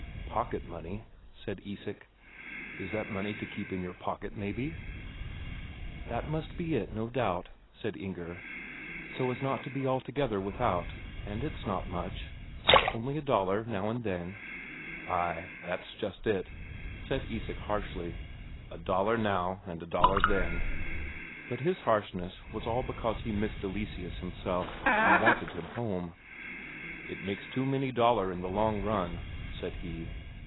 "Pocket money?" said Isak. "Is that money to keep in your pocket, maybe?" "That must be it, no doubt," said Inger. "So as not to be altogether without. And it's not much; only a Daler now and then." "Ay, that's just it," said Isak harshly. "A Daler now and a Daler then...." But his harshness was all because he missed Eleseus himself, and wanted him home. "It makes too many Dalers in the long run," said he.